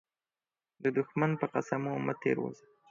د دښمن په قسمو مه تير وزه.